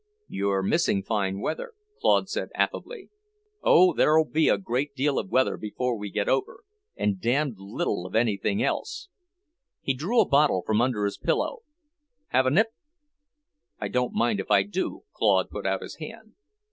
"You're missing fine weather," said Claude affably. "Oh, there'll be a great deal of weather before we get over, and damned little of anything else!" He drew a bottle from under his pillow. "Have a nip?" "I don't mind if I do," Claude put out his hand.